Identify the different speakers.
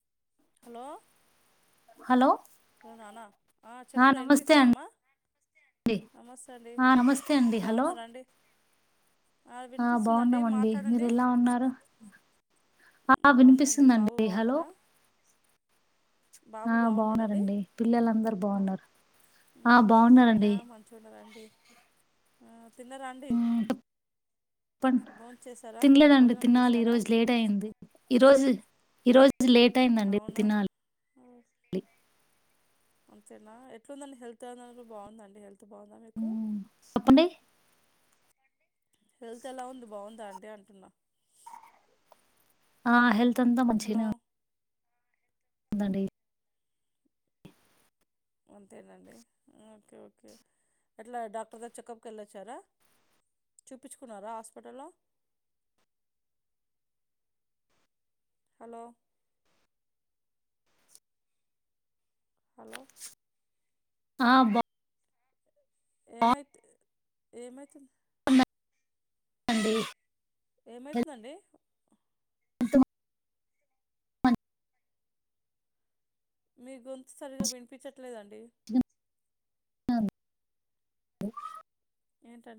Speaker 1: hello
Speaker 2: hello
Speaker 1: నానా ఆ చెప్పురా
Speaker 2: నమస్తే
Speaker 1: వినిపిస్తుందమ్మా
Speaker 2: అండి
Speaker 1: నమస్తే అండి
Speaker 2: ఆ నమస్తే అండి హలో
Speaker 1: బాగున్నారా అండి
Speaker 2: ఆ
Speaker 1: వినిపిస్తుందండి
Speaker 2: బాగున్నామండి మీరు
Speaker 1: మాట్లాడండి
Speaker 2: ఎలా ఉన్నారు ఆ ఆ
Speaker 1: బాగున్నాండి బాబు
Speaker 2: వినిపిస్తుందండి హలో
Speaker 1: బాగున్నాడా బాబు
Speaker 2: ఆ
Speaker 1: బాగున్నాడండి
Speaker 2: బావున్నానండి పిల్లలందరూ బాగున్నారు ఆ
Speaker 1: ఉమ్,
Speaker 2: బాగున్నారండి
Speaker 1: ఆ, తిన్నరా అండి
Speaker 2: మ్మ్,
Speaker 1: భోజనం చేశారా
Speaker 2: తినలేదండి
Speaker 1: భోజనం
Speaker 2: తినాలి
Speaker 1: చేశారా
Speaker 2: ఈరోజు లేట్ అయింది ఈరోజు ఈరోజుది లేట్ అయిందండి
Speaker 1: అవునా
Speaker 2: తినాలి
Speaker 1: ఆ, అంతేనా ఎట్లుందండి హెల్త్ బాగుందండి హెల్త్ హెల్త్ బాగుందా మీకు
Speaker 2: మ్మ్, చెప్పండి
Speaker 1: హెల్త్ ఎలా ఉంది బాగుందా అండి అంటున్నా
Speaker 2: ఆ హెల్త్ అంతా
Speaker 1: హలో
Speaker 2: మంచిగానే ఉందండి
Speaker 1: ఓకే ఓకే ఎట్లా డాక్టర్ దగ్గర చెకప్కి వెళ్ళొచ్చారా చూపించుకున్నారా హాస్పిటల్లో హలో హలో
Speaker 2: ఆ బా
Speaker 1: ఏమైతే ఏమైతుంది
Speaker 2: అండి
Speaker 1: ఏమైతుందండి మీ గొంతు సరిగా వినిపించట్లేదండి
Speaker 2: అను
Speaker 1: ఏంట